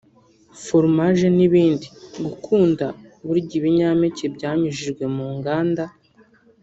formage n’ ibindi… Gukunda kurya ibinyampeke byanyujijwe mu nganda